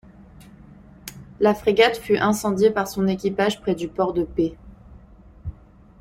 La frégate fut incendiée par son équipage près du port de Paix.